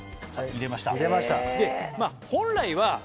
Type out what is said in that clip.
入れました！